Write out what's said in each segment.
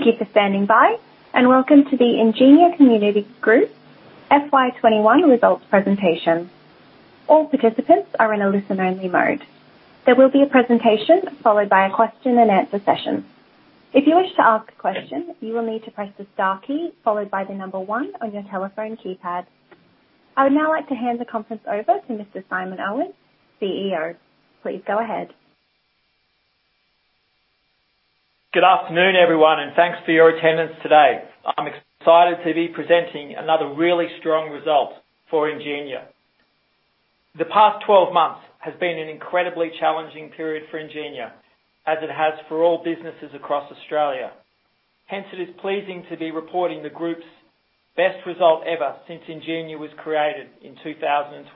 Thank you for standing by, and welcome to the Ingenia Communities Group FY 2021 results presentation. All participants are in a listen-only mode. There will be a presentation followed by a question and answer session. If you wish to ask a question, you will need to press the star key followed by the number one on your telephone keypad. I would now like to hand the conference over to Mr Simon Owen, CEO. Please go ahead. Good afternoon, everyone, and thanks for your attendance today. I'm excited to be presenting another really strong result for Ingenia. The past 12 months has been an incredibly challenging period for Ingenia, as it has for all businesses across Australia. It is pleasing to be reporting the group's best result ever since Ingenia was created in 2012.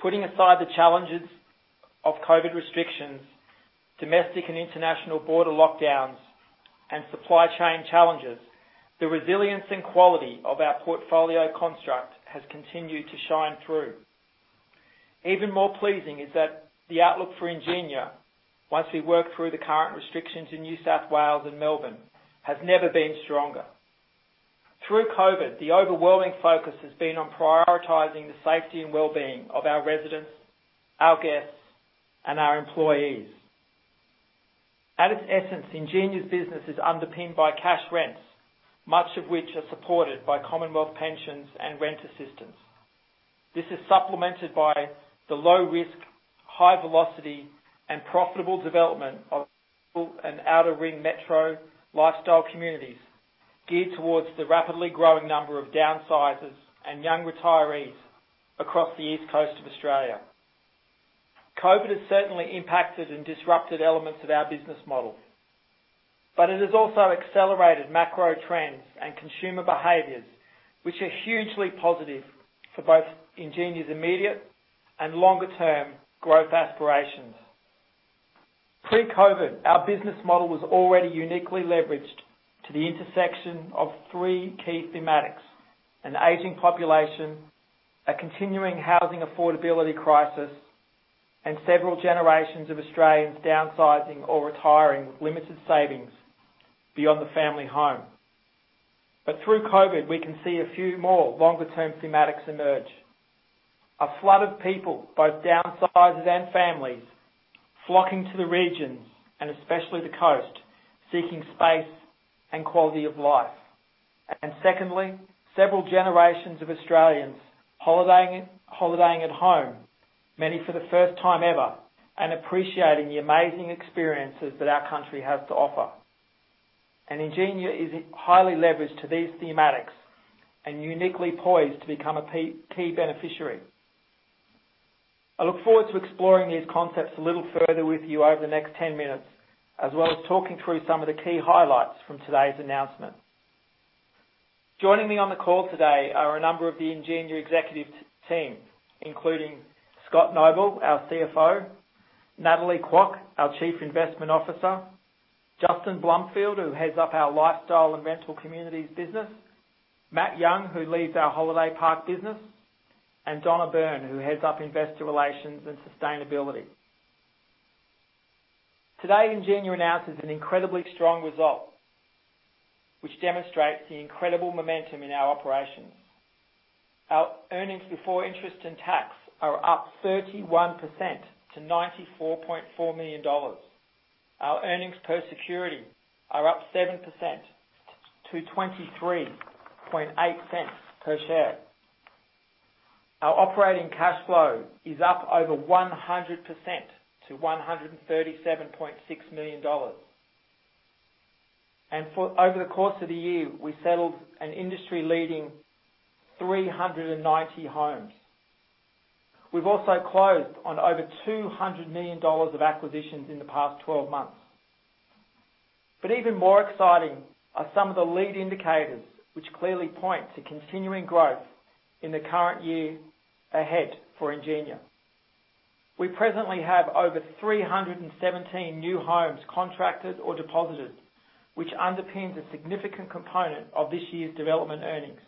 Putting aside the challenges of COVID restrictions, domestic and international border lockdowns, and supply chain challenges, the resilience and quality of our portfolio construct has continued to shine through. Even more pleasing is that the outlook for Ingenia, once we work through the current restrictions in New South Wales and Melbourne, has never been stronger. Through COVID, the overwhelming focus has been on prioritizing the safety and wellbeing of our residents, our guests, and our employees. At its essence, Ingenia's business is underpinned by cash rents, much of which are supported by Commonwealth pensions and rent assistance. This is supplemented by the low risk, high velocity, and profitable development of rural and outer ring metro lifestyle communities, geared towards the rapidly growing number of downsizers and young retirees across the East Coast of Australia. COVID has certainly impacted and disrupted elements of our business model, but it has also accelerated macro trends and consumer behaviors, which are hugely positive for both Ingenia's immediate and longer-term growth aspirations. Pre-COVID, our business model was already uniquely leveraged to the intersection of three key thematics: an aging population, a continuing housing affordability crisis, and several generations of Australians downsizing or retiring with limited savings beyond the family home. Through COVID, we can see a few more longer-term thematics emerge. A flood of people, both downsizers and families, flocking to the regions, and especially the coast, seeking space and quality of life. Secondly, several generations of Australians holidaying at home, many for the first time ever, and appreciating the amazing experiences that our country has to offer. Ingenia is highly leveraged to these thematics and uniquely poised to become a key beneficiary. I look forward to exploring these concepts a little further with you over the next 10 minutes, as well as talking through some of the key highlights from today's announcement. Joining me on the call today are a number of the Ingenia executive team, including Scott Noble, our CFO, Natalie Kwok, our Chief Investment Officer, Justin Blumfield, who heads up our lifestyle and rental communities business, Matt Young, who leads our holiday park business, and Donna Byrne, who heads up investor relations and sustainability. Today, Ingenia announces an incredibly strong result, which demonstrates the incredible momentum in our operations. Our earnings before interest and tax are up 31% to 94.4 million dollars. Our earnings per security are up 7% to 0.238 per share. Our operating cash flow is up over 100% to 137.6 million dollars. Over the course of the year, we settled an industry-leading 390 homes. We've also closed on over 200 million dollars of acquisitions in the past 12 months. Even more exciting are some of the lead indicators, which clearly point to continuing growth in the current year ahead for Ingenia. We presently have over 317 new homes contracted or deposited, which underpins a significant component of this year's development earnings.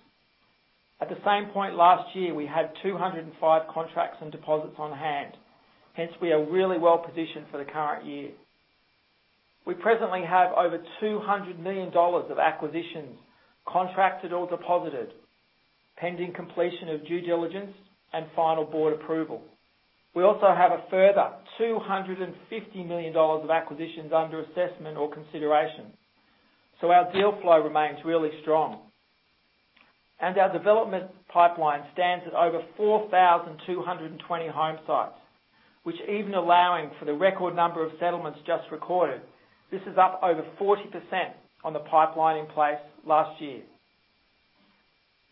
At the same point last year, we had 205 contracts and deposits on hand. Hence, we are really well-positioned for the current year. We presently have over 200 million dollars of acquisitions contracted or deposited, pending completion of due diligence and final board approval. We also have a further 250 million dollars of acquisitions under assessment or consideration. Our deal flow remains really strong. Our development pipeline stands at over 4,220 home sites, which even allowing for the record number of settlements just recorded, this is up over 40% on the pipeline in place last year.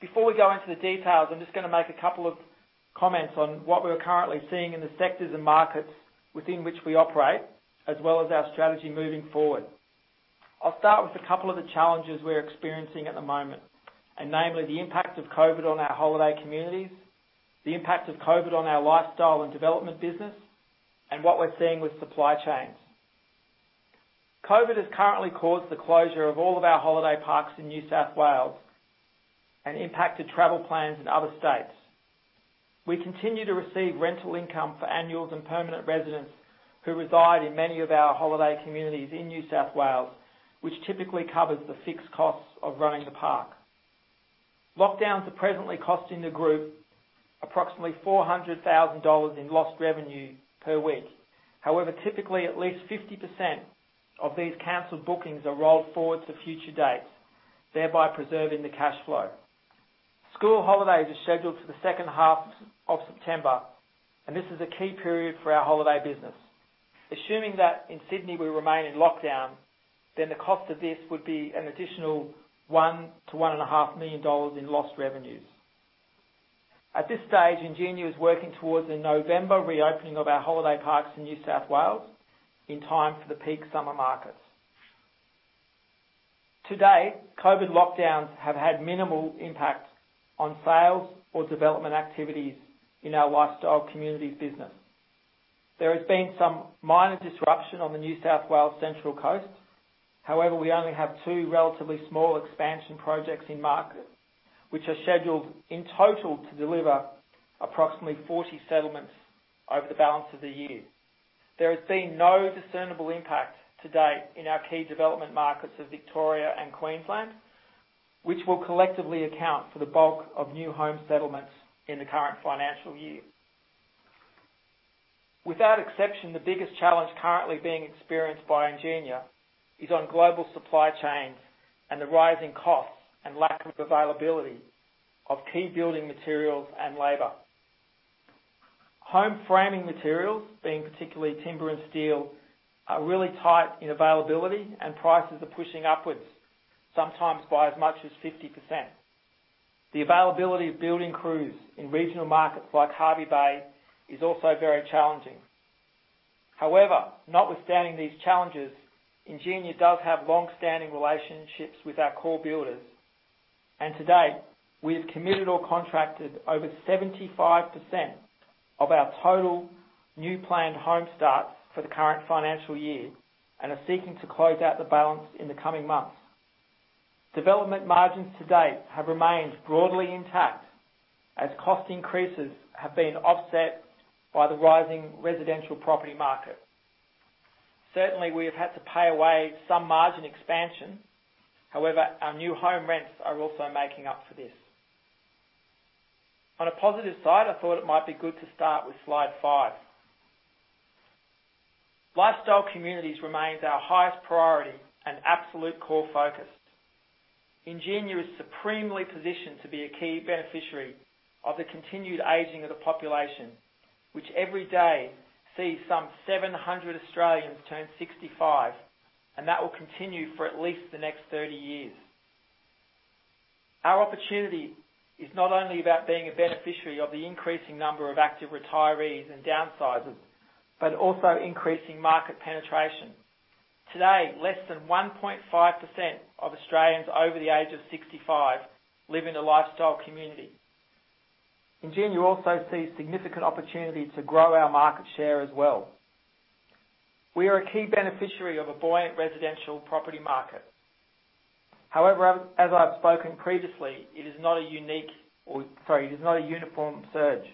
Before we go into the details, I'm just going to make a couple of comments on what we're currently seeing in the sectors and markets within which we operate, as well as our strategy moving forward. I'll start with a couple of the challenges we're experiencing at the moment, and namely, the impact of COVID on our holiday communities, the impact of COVID on our lifestyle and development business, and what we're seeing with supply chains. COVID has currently caused the closure of all of our holiday parks in New South Wales and impacted travel plans in other states. We continue to receive rental income for annuals and permanent residents who reside in many of our holiday communities in New South Wales, which typically covers the fixed costs of running the park. Lockdowns are presently costing the group approximately 400,000 dollars in lost revenue per week. Typically, at least 50% of these canceled bookings are rolled forward to future dates, thereby preserving the cash flow. School holidays are scheduled for the second half of September, and this is a key period for our holiday business. Assuming that in Sydney we remain in lockdown, then the cost of this would be an additional 1 million-1.5 million dollars in lost revenues. At this stage, Ingenia is working towards a November reopening of our holiday parks in New South Wales in time for the peak summer markets. To date, COVID lockdowns have had minimal impact on sales or development activities in our Lifestyle Communities business. There has been some minor disruption on the New South Wales Central Coast. However, we only have two relatively small expansion projects in market, which are scheduled, in total, to deliver approximately 40 settlements over the balance of the year. There has been no discernible impact to date in our key development markets of Victoria and Queensland, which will collectively account for the bulk of new home settlements in the current financial year. Without exception, the biggest challenge currently being experienced by Ingenia is on global supply chains and the rising costs and lack of availability of key building materials and labor. Home framing materials, being particularly timber and steel, are really tight in availability, and prices are pushing upwards, sometimes by as much as 50%. The availability of building crews in regional markets like Hervey Bay is also very challenging. However, notwithstanding these challenges, Ingenia does have long-standing relationships with our core builders. To date, we have committed or contracted over 75% of our total new planned home starts for the current financial year and are seeking to close out the balance in the coming months. Development margins to date have remained broadly intact as cost increases have been offset by the rising residential property market. Certainly, we have had to pay away some margin expansion. However, our new home rents are also making up for this. On a positive side, I thought it might be good to start with slide five. Lifestyle Communities remains our highest priority and absolute core focus. Ingenia is supremely positioned to be a key beneficiary of the continued aging of the population, which every day sees some 700 Australians turn 65, and that will continue for at least the next 30 years. Our opportunity is not only about being a beneficiary of the increasing number of active retirees and downsizers, but also increasing market penetration. Today, less than 1.5% of Australians over the age of 65 live in a Lifestyle Community. Ingenia also sees significant opportunity to grow our market share as well. We are a key beneficiary of a buoyant residential property market. As I've spoken previously, it is not a uniform surge.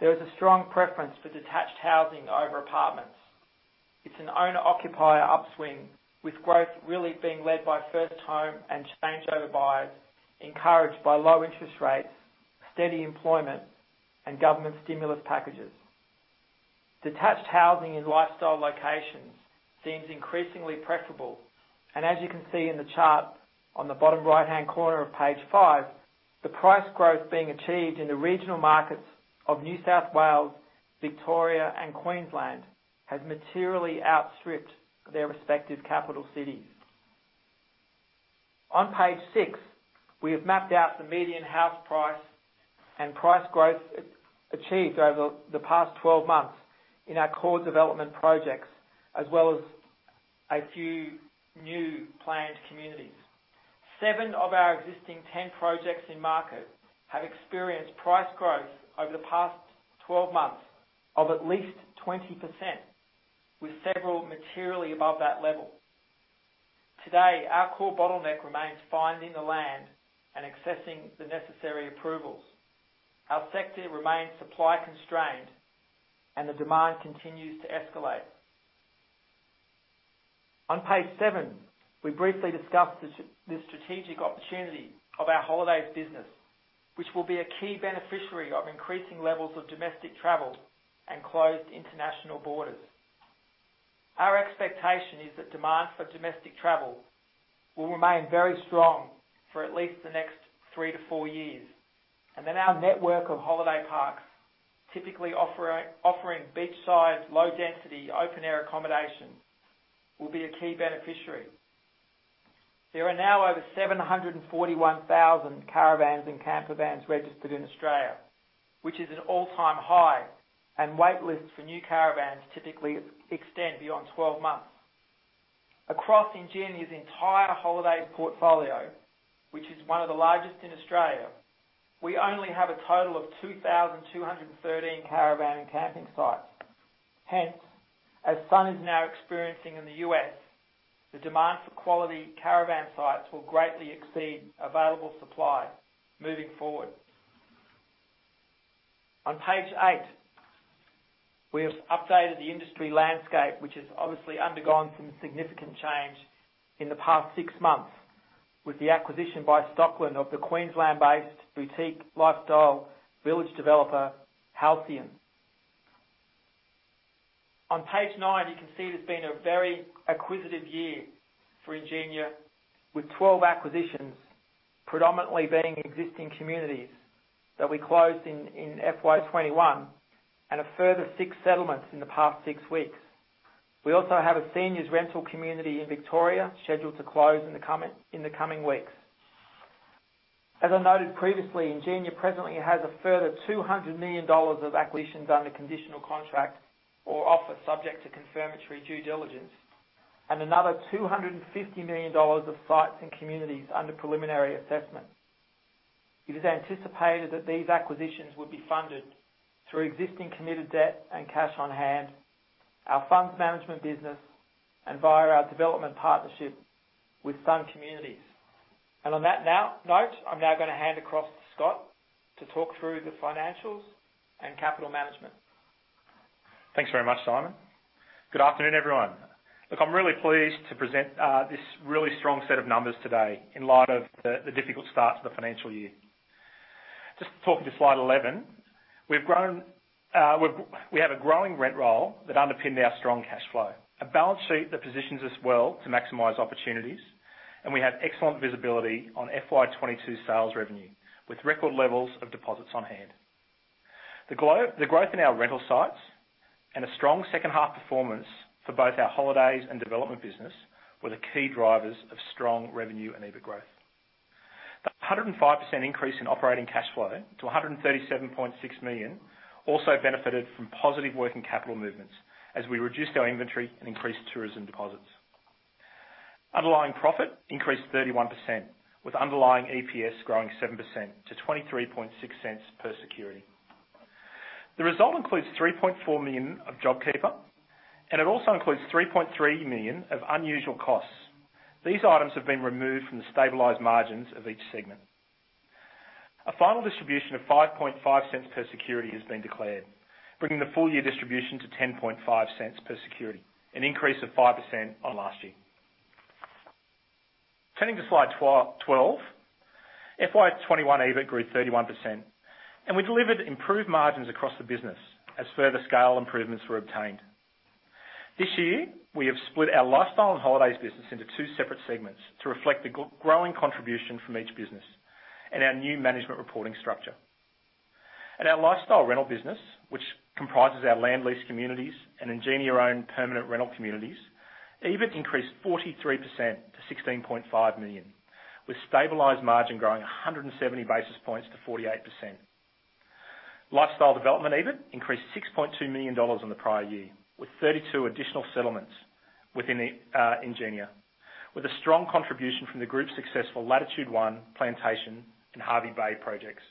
There is a strong preference for detached housing over apartments. It's an owner-occupier upswing, with growth really being led by first home and changeover buyers, encouraged by low interest rates, steady employment, and government stimulus packages. Detached housing in lifestyle locations seems increasingly preferable, and as you can see in the chart on the bottom right-hand corner of page five, the price growth being achieved in the regional markets of New South Wales, Victoria, and Queensland has materially outstripped their respective capital cities. On page six, we have mapped out the median house price and price growth achieved over the past 12 months in our core development projects, as well as a few new planned communities. Seven of our existing 10 projects in market have experienced price growth over the past 12 months of at least 20%, with several materially above that level. Today, our core bottleneck remains finding the land and accessing the necessary approvals. Our sector remains supply-constrained, and the demand continues to escalate. On page seven, we briefly discussed the strategic opportunity of our holidays business, which will be a key beneficiary of increasing levels of domestic travel and closed international borders. Our expectation is that demand for domestic travel will remain very strong for at least the next three to four years, and that our network of holiday parks, typically offering beachside, low-density, open-air accommodations, will be a key beneficiary. There are now over 741,000 caravans and campervans registered in Australia, which is an all-time high, and wait lists for new caravans typically extend beyond 12 months. Across Ingenia's entire holidays portfolio, which is one of the largest in Australia, we only have a total of 2,213 caravan and camping sites. Hence, as Sun is now experiencing in the U.S., the demand for quality caravan sites will greatly exceed available supply moving forward. On page eight, we have updated the industry landscape, which has obviously undergone some significant change in the past six months, with the acquisition by Stockland of the Queensland-based boutique lifestyle village developer, Halcyon. On page nine, you can see it has been a very acquisitive year for Ingenia, with 12 acquisitions, predominantly being existing communities that we closed in FY 2021. A further six settlements in the past six weeks. We also have a seniors rental community in Victoria scheduled to close in the coming weeks. As I noted previously, Ingenia presently has a further 200 million dollars of acquisitions under conditional contract or offer subject to confirmatory due diligence, and another 250 million dollars of sites and communities under preliminary assessment. It is anticipated that these acquisitions will be funded through existing committed debt and cash on hand, our funds management business, and via our development partnership with Sun Communities. On that note, I'm now going to hand across to Scott to talk through the financials and capital management. Thanks very much, Simon. Good afternoon, everyone. Look, I'm really pleased to present this really strong set of numbers today in light of the difficult start to the financial year. Just talking to slide 11, we have a growing rent roll that underpinned our strong cash flow, a balance sheet that positions us well to maximize opportunities, and we have excellent visibility on FY 2022 sales revenue, with record levels of deposits on hand. The growth in our rental sites and a strong second half performance for both our holidays and development business were the key drivers of strong revenue and EBIT growth. The 105% increase in operating cash flow to 137.6 million also benefited from positive working capital movements as we reduced our inventory and increased tourism deposits. Underlying profit increased 31%, with underlying EPS growing 7% to 0.236 per security. The result includes 3.4 million of JobKeeper. It also includes 3.3 million of unusual costs. These items have been removed from the stabilized margins of each segment. A final distribution of 0.055 per security has been declared, bringing the full year distribution to 0.105 per security, an increase of 5% on last year. Turning to slide 12, FY 2021 EBIT grew 31%. We delivered improved margins across the business as further scale improvements were obtained. This year, we have split our lifestyle and holidays business into two separate segments to reflect the growing contribution from each business and our new management reporting structure. In our lifestyle rental business, which comprises our land lease communities and Ingenia-owned permanent rental communities, EBIT increased 43% to 16.5 million, with stabilized margin growing 170 basis points to 48%. Lifestyle development EBIT increased 6.2 million dollars on the prior year, with 32 additional settlements within Ingenia, with a strong contribution from the group's successful Latitude One, Plantation, and Hervey Bay projects.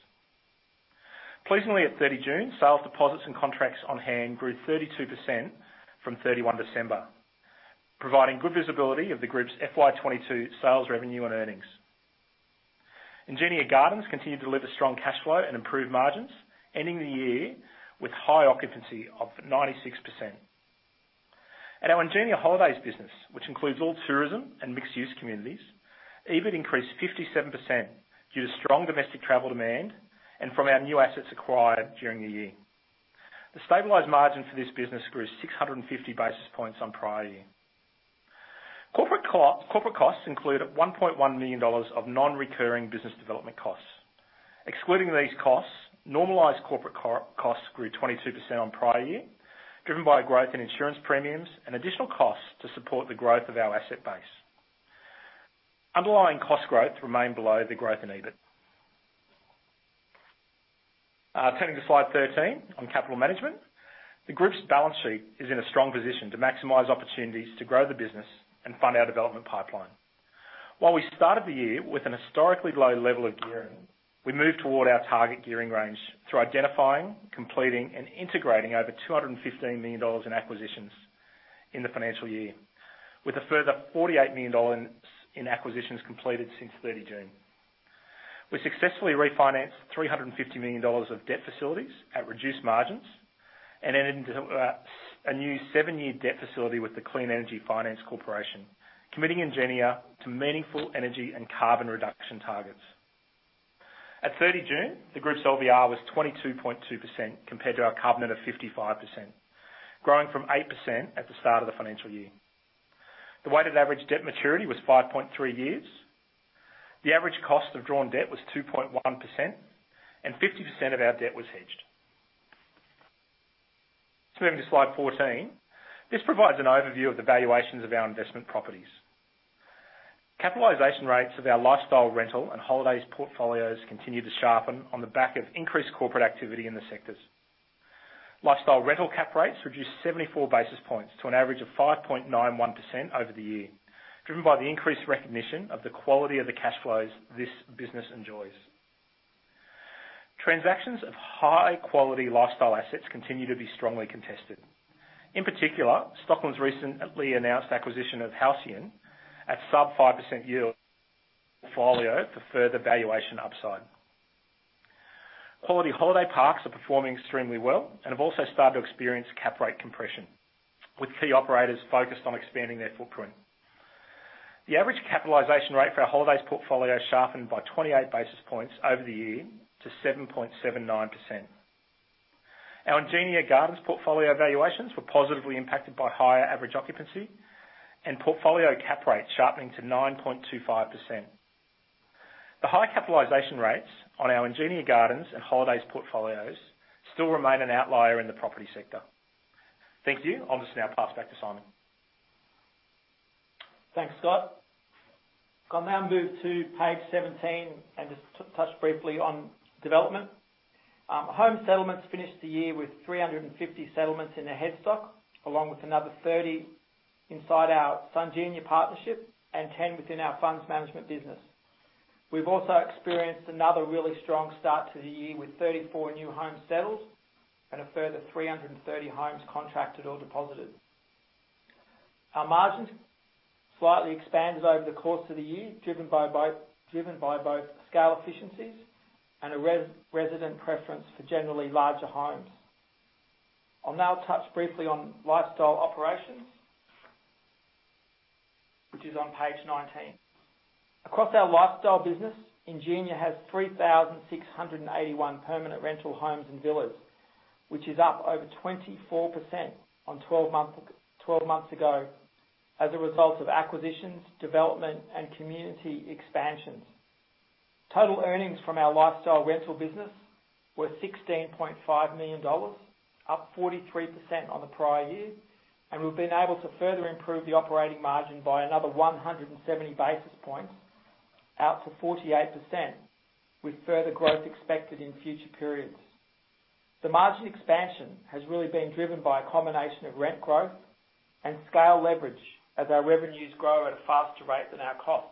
Pleasingly, at 30 June, sales deposits and contracts on hand grew 32% from 31 December, providing good visibility of the group's FY 2022 sales revenue and earnings. Ingenia Gardens continued to deliver strong cash flow and improved margins, ending the year with high occupancy of 96%. Our Ingenia Holidays business, which includes all tourism and mixed-use communities, EBIT increased 57% due to strong domestic travel demand and from our new assets acquired during the year. The stabilized margin for this business grew 650 basis points on prior year. Corporate costs include 1.1 million dollars of non-recurring business development costs. Excluding these costs, normalized corporate costs grew 22% on prior year, driven by a growth in insurance premiums and additional costs to support the growth of our asset base. Underlying cost growth remained below the growth in EBIT. Turning to slide 13 on capital management. The group's balance sheet is in a strong position to maximize opportunities to grow the business and fund our development pipeline. While we started the year with an historically low level of gearing, we moved toward our target gearing range through identifying, completing, and integrating over 215 million dollars in acquisitions in the financial year, with a further 48 million dollars in acquisitions completed since 30 June. We successfully refinanced 350 million dollars of debt facilities at reduced margins and entered into a new seven-year debt facility with the Clean Energy Finance Corporation, committing Ingenia to meaningful energy and carbon reduction targets. At 30 June, the group's LVR was 22.2% compared to our covenant of 55%, growing from 8% at the start of the financial year. The weighted average debt maturity was 5.3 years. The average cost of drawn debt was 2.1%, and 50% of our debt was hedged. Turning to slide 14, this provides an overview of the valuations of our investment properties. Capitalization rates of our lifestyle rental and holidays portfolios continue to sharpen on the back of increased corporate activity in the sectors. Lifestyle rental cap rates reduced 74 basis points to an average of 5.91% over the year, driven by the increased recognition of the quality of the cash flows this business enjoys. Transactions of high quality lifestyle assets continue to be strongly contested. In particular, Stockland's recently announced acquisition of Halcyon at sub 5% yield portfolio for further valuation upside. Quality holiday parks are performing extremely well and have also started to experience cap rate compression, with key operators focused on expanding their footprint. The average capitalization rate for our holidays portfolio sharpened by 28 basis points over the year to 7.79%. Our Ingenia Gardens portfolio valuations were positively impacted by higher average occupancy and portfolio cap rates sharpening to 9.25%. The high capitalization rates on our Ingenia Gardens and holidays portfolios still remain an outlier in the property sector. Thank you. I'll just now pass back to Simon. Thanks, Scott. I'll now move to page 17 and just touch briefly on development. Home settlements finished the year with 350 settlements in the headstock, along with another 30 inside our Sun-Ingenia partnership and 10 within our funds management business. We've also experienced another really strong start to the year with 34 new home settles and a further 330 homes contracted or deposited. Our margins slightly expanded over the course of the year, driven by both scale efficiencies and a resident preference for generally larger homes. I'll now touch briefly on lifestyle operations, which is on page 19. Across our lifestyle business, Ingenia has 3,681 permanent rental homes and villas, which is up over 24% on 12 months ago as a result of acquisitions, development, and community expansions. Total earnings from our lifestyle rental business were 16.5 million dollars, up 43% on the prior year, and we've been able to further improve the operating margin by another 170 basis points out to 48%, with further growth expected in future periods. The margin expansion has really been driven by a combination of rent growth and scale leverage as our revenues grow at a faster rate than our costs.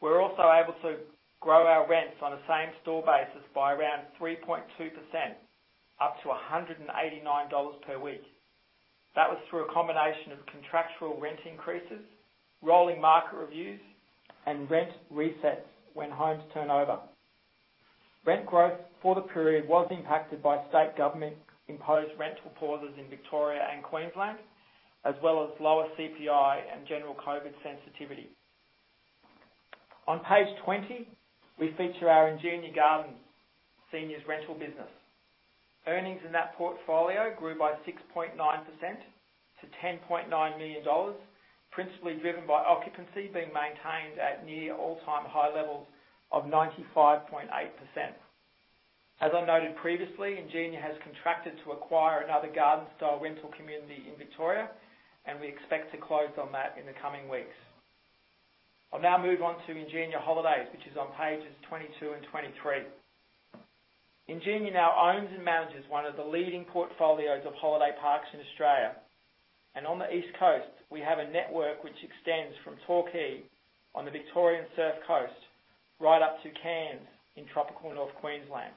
We're also able to grow our rents on a same-store basis by around 3.2%, up to 189 dollars per week. That was through a combination of contractual rent increases, rolling market reviews, and rent resets when homes turn over. Rent growth for the period was impacted by state government imposed rental pauses in Victoria and Queensland, as well as lower CPI and general COVID sensitivity. On page 20, we feature our Ingenia Gardens seniors rental business. Earnings in that portfolio grew by 6.9% to 10.9 million dollars, principally driven by occupancy being maintained at near all-time high levels of 95.8%. As I noted previously, Ingenia has contracted to acquire another garden-style rental community in Victoria, and we expect to close on that in the coming weeks. I'll now move on to Ingenia Holidays, which is on pages 22 and 23. Ingenia now owns and manages one of the leading portfolios of holiday parks in Australia, and on the East Coast, we have a network which extends from Torquay on the Victorian surf coast right up to Cairns in tropical North Queensland.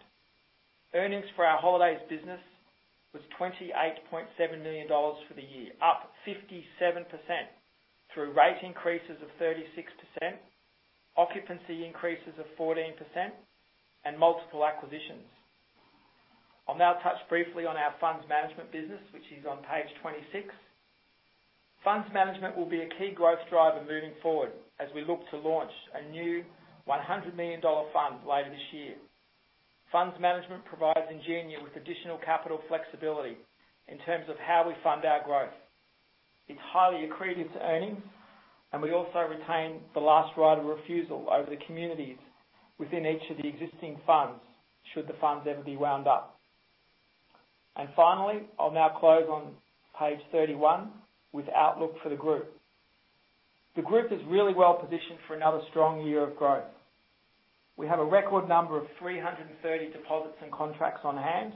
Earnings for our holidays business was 28.7 million dollars for the year, up 57% through rate increases of 36%, occupancy increases of 14%, and multiple acquisitions. I'll now touch briefly on our funds management business, which is on page 26. Funds management will be a key growth driver moving forward as we look to launch a new 100 million dollar fund later this year. Funds management provides Ingenia with additional capital flexibility in terms of how we fund our growth. It's highly accretive to earnings, and we also retain the last right of refusal over the communities within each of the existing funds, should the funds ever be wound up. Finally, I'll now close on page 31 with outlook for the group. The group is really well positioned for another strong year of growth. We have a record number of 330 deposits and contracts on hand,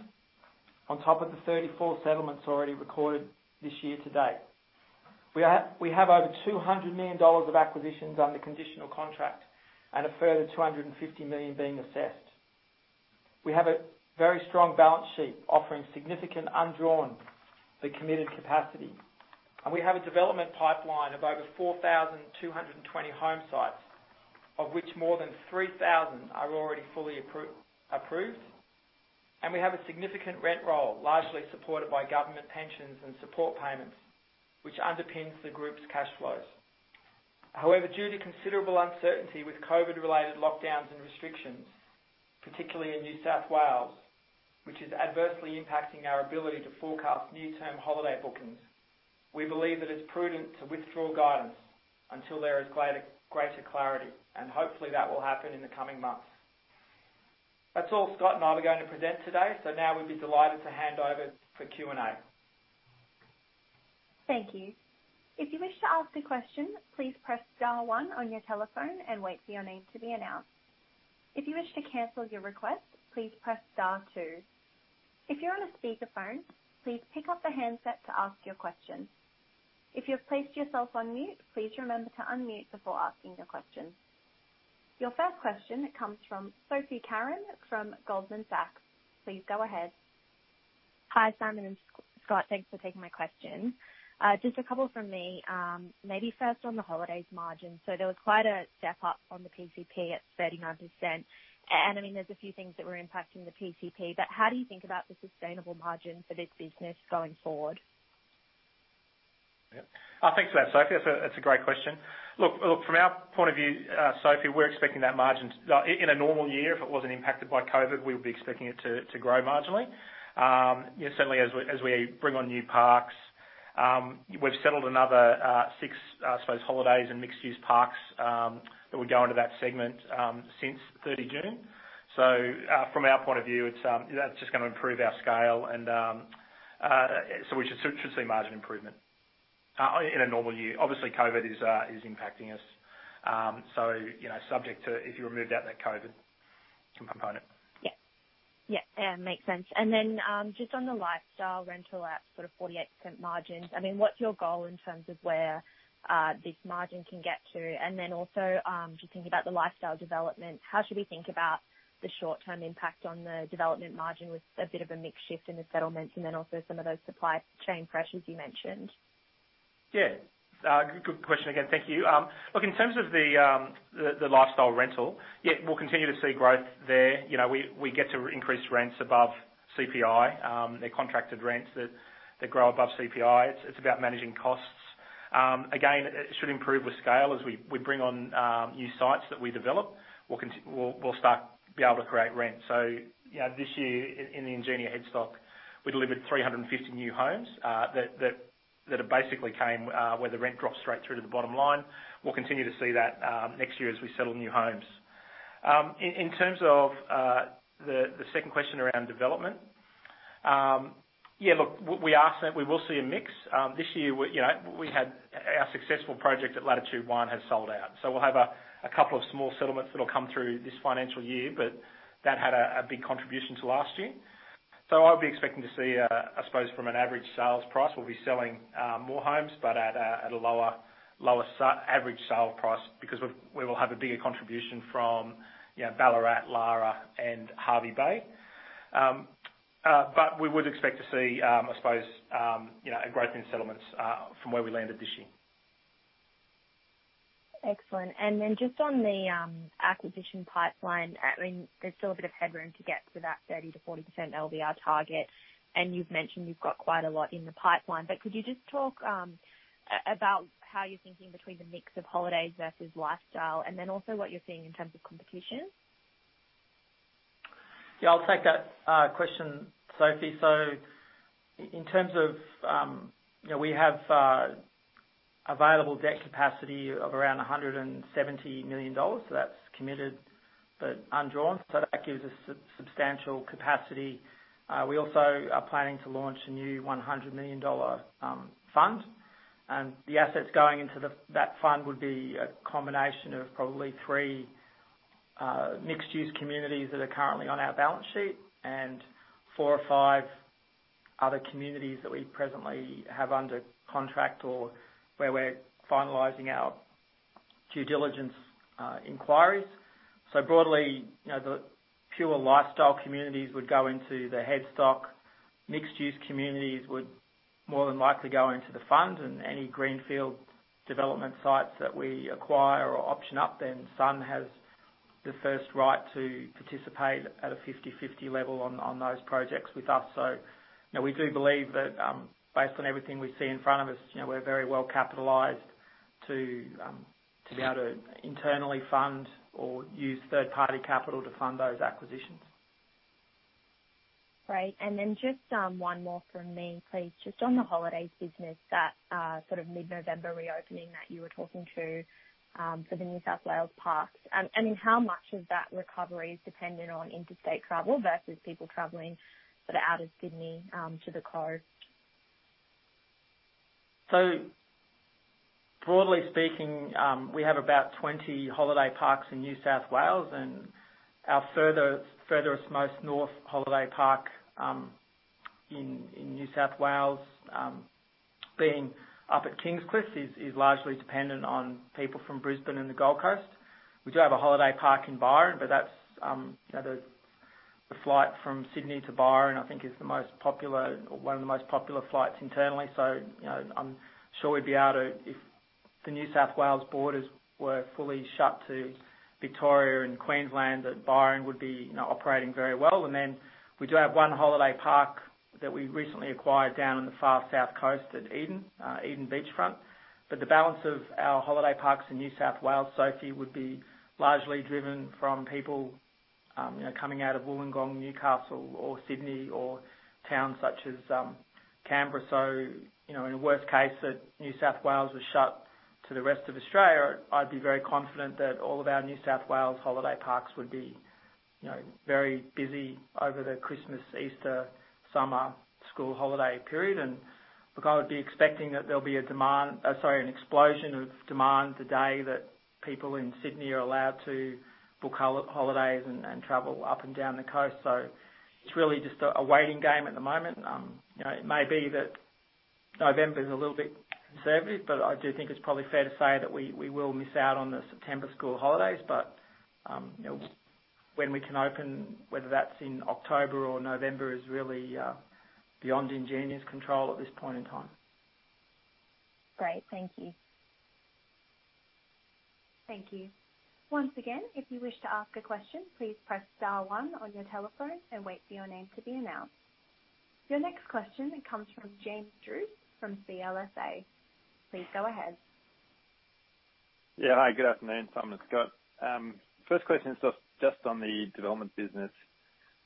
on top of the 34 settlements already recorded this year to date. We have over 200 million dollars of acquisitions under conditional contract and a further 250 million being assessed. We have a very strong balance sheet offering significant undrawn for committed capacity, and we have a development pipeline of over 4,220 home sites, of which more than 3,000 are already fully approved, and we have a significant rent roll, largely supported by government pensions and support payments, which underpins the group's cash flows. However, due to considerable uncertainty with COVID-related lockdowns and restrictions, particularly in New South Wales, which is adversely impacting our ability to forecast new term holiday bookings, we believe that it's prudent to withdraw guidance until there is greater clarity, and hopefully, that will happen in the coming months. That's all Scott and I are going to present today. Now we'd be delighted to hand over for Q&A. Thank you. If you wish to ask a question, please press star one on your telephone and wait for your name to be announced. If you wish to cancel your request, please press star two. If you're on a speakerphone, please pick up the handset to ask your question. If you've placed yourself on mute, please remember to unmute before asking your question. Your first question comes from Sophie Karan from Goldman Sachs. Please go ahead. Hi, Simon and Scott. Thanks for taking my question. Just a couple from me. Maybe first on the Holidays margin. There was quite a step up on the PCP at 39%, and there's a few things that were impacting the PCP, but how do you think about the sustainable margin for this business going forward? Yeah. Thanks for that, Sophie. That's a great question. Look, from our point of view, Sophie, we're expecting that margin, in a normal year, if it wasn't impacted by COVID, we would be expecting it to grow marginally. Certainly as we bring on new parks. We've settled another six, I suppose, holidays and mixed-use parks that would go into that segment, since 30 June. From our point of view, that's just going to improve our scale, and so we should see margin improvement in a normal year. Obviously, COVID is impacting us, subject to if you removed out that COVID component. Yeah. Makes sense. Just on the lifestyle rental at sort of 48% margins, what's your goal in terms of where this margin can get to? Also, just thinking about the lifestyle development, how should we think about the short-term impact on the development margin with a bit of a mix shift in the settlements and then also some of those supply chain pressures you mentioned? Good question again. Thank you. Look, in terms of the lifestyle rental, we'll continue to see growth there. We get to increase rents above CPI. They're contracted rents that grow above CPI. It's about managing costs. Again, it should improve with scale. As we bring on new sites that we develop, we'll start to be able to create rent. This year in the Ingenia headstock, we delivered 350 new homes that basically came where the rent drops straight through to the bottom line. We'll continue to see that next year as we settle new homes. In terms of the second question around development, look, we will see a mix. This year, our successful project at Latitude One has sold out. We'll have a couple of small settlements that'll come through this financial year, but that had a big contribution to last year. I'd be expecting to see, I suppose from an average sales price, we'll be selling more homes but at a lower average sale price because we will have a bigger contribution from Ballarat, Lara, and Hervey Bay. We would expect to see, I suppose, a growth in settlements from where we landed this year. Excellent. Then just on the acquisition pipeline, there's still a bit of headroom to get to that 30%-40% LVR target, you've mentioned you've got quite a lot in the pipeline, could you just talk about how you're thinking between the mix of holidays versus lifestyle and then also what you're seeing in terms of competition? Yeah, I'll take that question, Sophie. We have available debt capacity of around 170 million dollars. That's committed, but undrawn. We also are planning to launch a new 100 million dollar fund, and the assets going into that fund would be a combination of probably three mixed-use communities that are currently on our balance sheet and four or five other communities that we presently have under contract or where we're finalizing our due diligence inquiries. Broadly, the pure lifestyle communities would go into the headstock. Mixed-use communities would more than likely go into the fund, and any greenfield development sites that we acquire or option up, then Sun has the first right to participate at a 50/50 level on those projects with us. We do believe that based on everything we see in front of us, we're very well capitalized to be able to internally fund or use third-party capital to fund those acquisitions. Great. Just one more from me, please. Just on the holidays business, that sort of mid-November reopening that you were talking to for the New South Wales parks, and how much of that recovery is dependent on interstate travel versus people traveling, but out of Sydney to the coast? Broadly speaking, we have about 20 holiday parks in New South Wales, and our furtherest most north holiday park in New South Wales, being up at Kingscliff, is largely dependent on people from Brisbane and the Gold Coast. We do have a holiday park in Byron, but the flight from Sydney to Byron, I think, is the most popular or one of the most popular flights internally. I'm sure we'd be able to, if the New South Wales borders were fully shut to Victoria and Queensland, that Byron would be operating very well. We do have one holiday park that we recently acquired down on the far south coast at Eden Beachfront. The balance of our holiday parks in New South Wales, Sophie, would be largely driven from people coming out of Wollongong, Newcastle or Sydney or towns such as Canberra. In a worst case that New South Wales was shut to the rest of Australia, I'd be very confident that all of our New South Wales holiday parks would be very busy over the Christmas, Easter, summer, school holiday period. Look, I would be expecting that there'll be a demand, sorry, an explosion of demand the day that people in Sydney are allowed to book holidays and travel up and down the coast. It's really just a waiting game at the moment. November is a little bit conservative, I do think it's probably fair to say that we will miss out on the September school holidays. When we can open, whether that's in October or November, is really beyond Ingenia's control at this point in time. Great. Thank you. Thank you. Once again, if you wish to ask a question, please press star one on your telephone and wait for your name to be announced. Your next question comes from James Drew from CLSA. Please go ahead. Yeah. Hi, good afternoon, Simon and Scott. First question is just on the development business.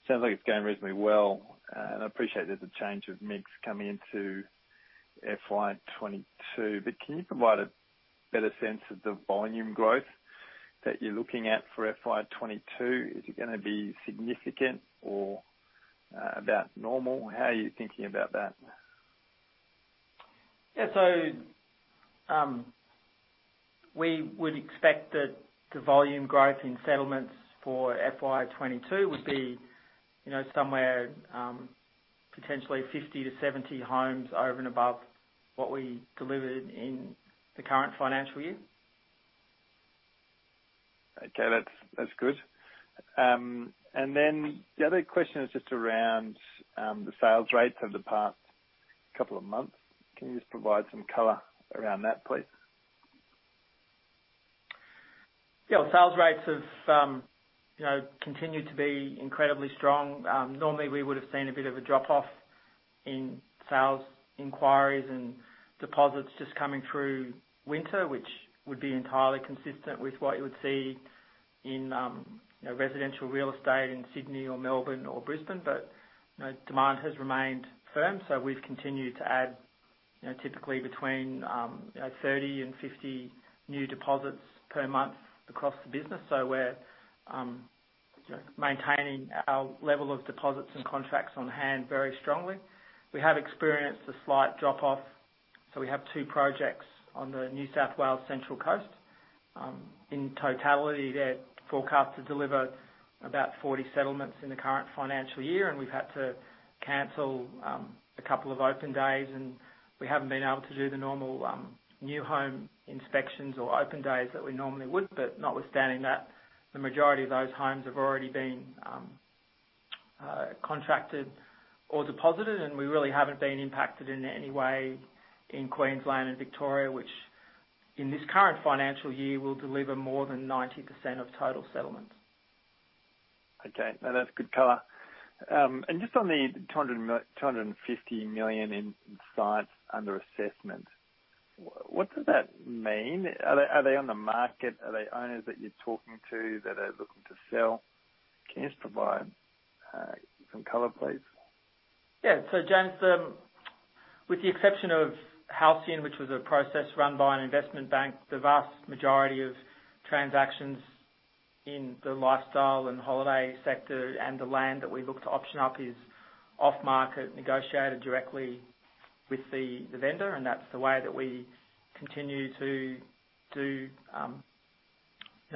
Sounds like it's going reasonably well. I appreciate there's a change of mix coming into FY 2022. Can you provide a better sense of the volume growth that you're looking at for FY 2022? Is it going to be significant or about normal? How are you thinking about that? Yeah. We would expect that the volume growth in settlements for FY 2022 would be somewhere potentially 50-70 homes over and above what we delivered in the current financial year. Okay. That's good. The other question is just around the sales rates over the past couple of months. Can you just provide some color around that, please? Yeah. Sales rates have continued to be incredibly strong. Normally, we would've seen a bit of a drop-off in sales inquiries and deposits just coming through winter, which would be entirely consistent with what you would see in residential real estate in Sydney or Melbourne or Brisbane. Demand has remained firm, so we've continued to add typically between 30 and 50 new deposits per month across the business. We're maintaining our level of deposits and contracts on hand very strongly. We have experienced a slight drop-off. We have two projects on the New South Wales Central Coast. In totality, they're forecast to deliver about 40 settlements in the current financial year, and we've had to cancel a couple of open days, and we haven't been able to do the normal new home inspections or open days that we normally would. Notwithstanding that, the majority of those homes have already been contracted or deposited, and we really haven't been impacted in any way in Queensland and Victoria, which in this current financial year, will deliver more than 90% of total settlements. Okay. No, that's good color. Just on the 250 million in sites under assessment, what does that mean? Are they on the market? Are they owners that you're talking to that are looking to sell? Can you just provide some color, please? Yeah. James, with the exception of Halcyon, which was a process run by an investment bank, the vast majority of transactions in the lifestyle and holiday sector and the land that we look to option up is off market, negotiated directly with the vendor, and that's the way that we continue to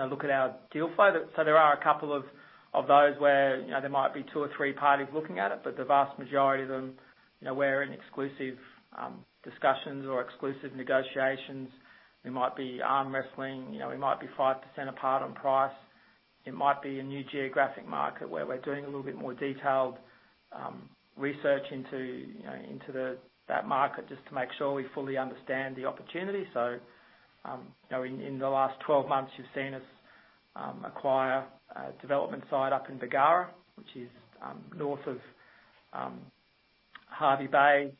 look at our deal flow. There are a couple of those where there might be two or three parties looking at it, but the vast majority of them, we're in exclusive discussions or exclusive negotiations. We might be arm wrestling. We might be 5% apart on price. It might be a new geographic market where we're doing a little bit more detailed research into that market just to make sure we fully understand the opportunity. In the last 12 months, you've seen us acquire a development site up in Bargara, which is north of Hervey Bay.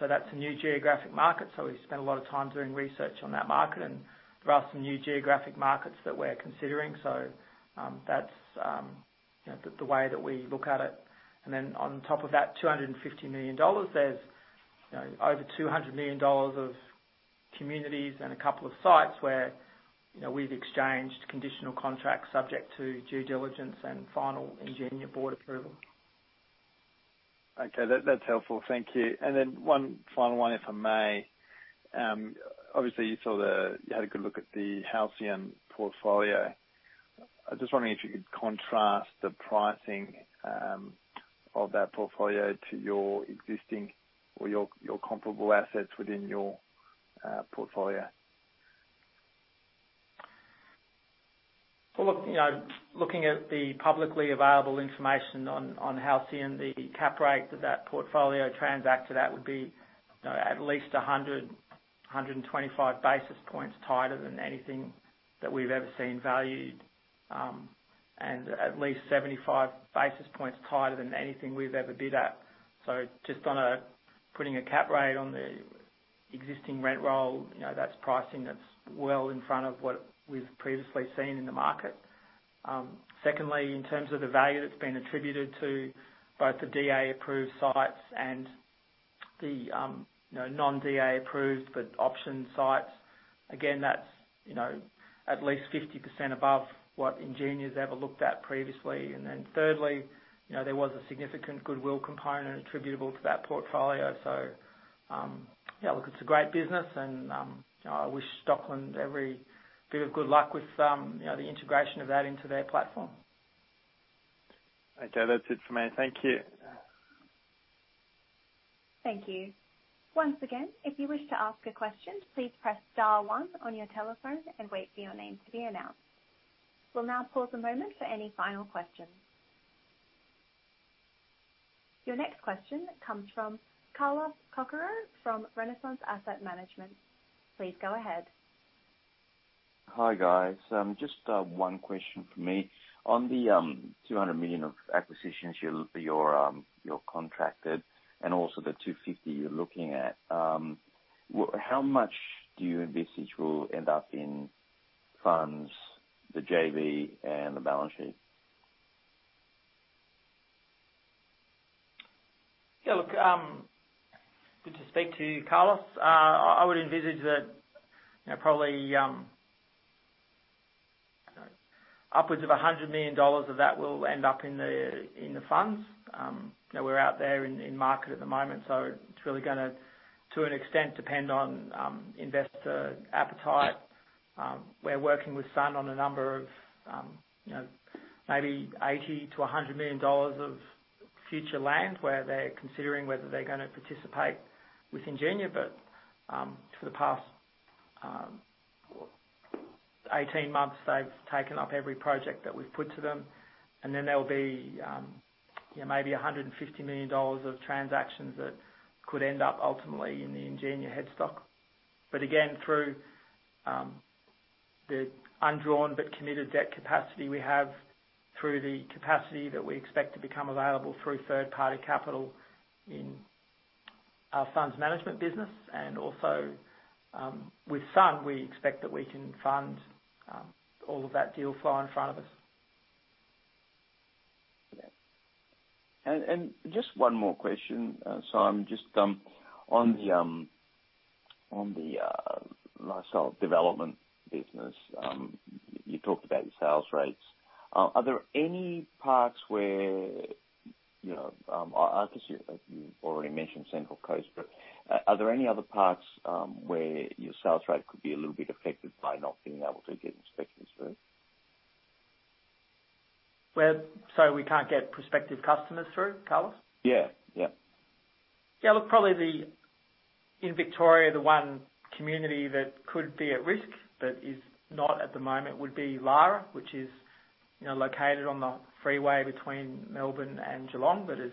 That's a new geographic market, so we've spent a lot of time doing research on that market, and there are some new geographic markets that we're considering. That's the way that we look at it. On top of that 250 million dollars, there's over 200 million dollars of communities and a couple of sites where we've exchanged conditional contracts subject to due diligence and final Ingenia board approval. Okay. That's helpful. Thank you. One final one, if I may. Obviously, you had a good look at the Halcyon portfolio. I'm just wondering if you could contrast the pricing of that portfolio to your existing or your comparable assets within your portfolio. Well, looking at the publicly available information on Halcyon, the cap rate that that portfolio transacts to, that would be at least 100, 125 basis points tighter than anything that we've ever seen valued, and at least 75 basis points tighter than anything we've ever bid at. Just on putting a cap rate on the existing rent roll, that's pricing that's well in front of what we've previously seen in the market. Secondly, in terms of the value that's been attributed to both the DA-approved sites and the non-DA approved but optioned sites, again, that's at least 50% above what Ingenia's ever looked at previously. Thirdly, there was a significant goodwill component attributable to that portfolio. Yeah, look, it's a great business and I wish Stockland every bit of good luck with the integration of that into their platform. Okay, that's it for me. Thank you. Thank you. Once again, if you wish to ask a question, please press star one on your telephone and wait for your name to be announced. We will now pause a moment for any final questions. Your next question comes from Carlos Cocaro from Renaissance Asset Management. Please go ahead. Hi, guys. Just one question from me. On the 200 million of acquisitions for your contracted and also the 250 you're looking at, how much do you envisage will end up in funds, the JV, and the balance sheet? Yeah. Good to speak to you, Carlos. I would envisage that probably upwards of 100 million dollars of that will end up in the funds. We're out there in market at the moment, so it's really going to an extent, depend on investor appetite. We're working with Sun on a number of maybe 80 million-100 million dollars of future land, where they're considering whether they're going to participate with Ingenia. For the past 18 months, they've taken up every project that we've put to them. Then there'll be maybe 150 million dollars of transactions that could end up ultimately in the Ingenia headstock. Again, through the undrawn but committed debt capacity we have through the capacity that we expect to become available through third-party capital in our funds management business, and also with Sun, we expect that we can fund all of that deal flow in front of us. Just one more question, Simon. Just on the lifestyle development business, you talked about your sales rates. I guess you already mentioned Central Coast, but are there any other parts where your sales rate could be a little bit affected by not being able to get inspectors through? Sorry, we can't get prospective customers through, Carlos? Yeah. Yeah, look, probably in Victoria, the one community that could be at risk, but is not at the moment, would be Lara, which is located on the freeway between Melbourne and Geelong, but is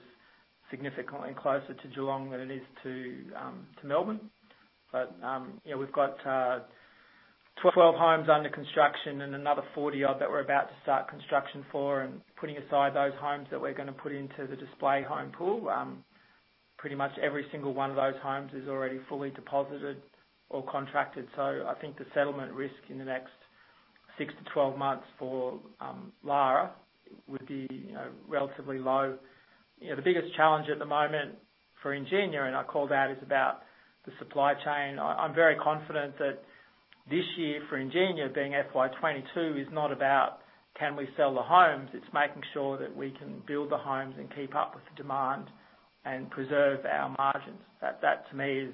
significantly closer to Geelong than it is to Melbourne. We've got 12 homes under construction and another 40 odd that we're about to start construction for. Putting aside those homes that we're going to put into the display home pool, pretty much every single one of those homes is already fully deposited or contracted. I think the settlement risk in the next 6-12 months for Lara would be relatively low. The biggest challenge at the moment for Ingenia, and I call that, is about the supply chain. I'm very confident that this year for Ingenia, being FY 2022, is not about can we sell the homes? It's making sure that we can build the homes and keep up with the demand and preserve our margins. That, to me, is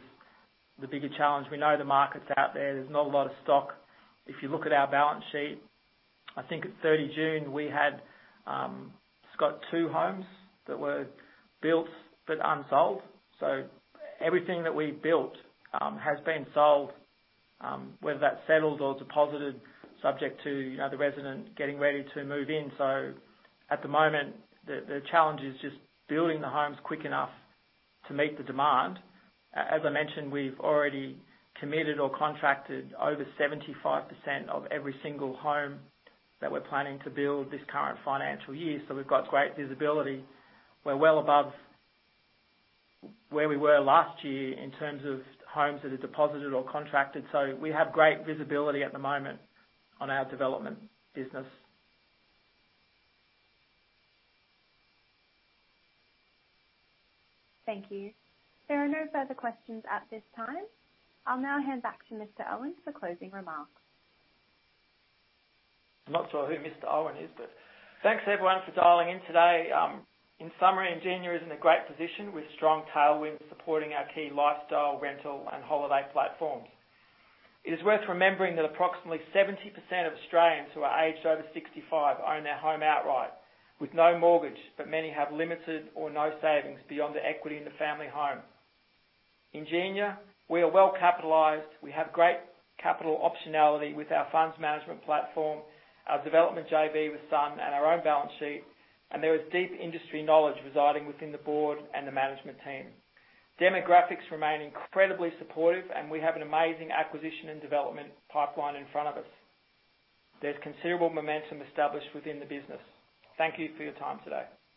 the bigger challenge. We know the market's out there. There's not a lot of stock. If you look at our balance sheet, I think at 30 June, we had Scott two homes that were built but unsold. Everything that we've built has been sold, whether that's settled or deposited, subject to the resident getting ready to move in. At the moment, the challenge is just building the homes quick enough to meet the demand. As I mentioned, we've already committed or contracted over 75% of every single home that we're planning to build this current financial year, so we've got great visibility. We're well above where we were last year in terms of homes that are deposited or contracted. We have great visibility at the moment on our development business. Thank you. There are no further questions at this time. I'll now hand back to Mr. Owen for closing remarks. I'm not sure who Mr. Owen is, but thanks, everyone, for dialing in today. In summary, Ingenia is in a great position with strong tailwinds supporting our key Lifestyle, rental, and Holiday platforms. It is worth remembering that approximately 70% of Australians who are aged over 65 own their home outright with no mortgage, but many have limited or no savings beyond the equity in the family home. Ingenia, we are well capitalized. We have great capital optionality with our funds management platform, our development JV with Sun, and our own balance sheet, and there is deep industry knowledge residing within the board and the management team. Demographics remain incredibly supportive, and we have an amazing acquisition and development pipeline in front of us. There's considerable momentum established within the business. Thank you for your time today.